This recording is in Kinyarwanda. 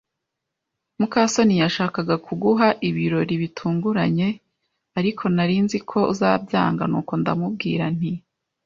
muka soni yashakaga kuguha ibirori bitunguranye, ariko nari nzi ko uzabyanga, nuko ndamubwira nti.